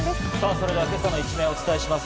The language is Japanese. それでは今朝の一面をお伝えします。